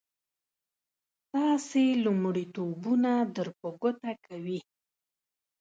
ستاسې لومړيتوبونه در په ګوته کوي.